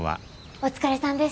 お疲れさんです。